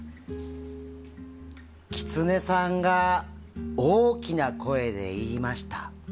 キツネさんが大きな声で言いました。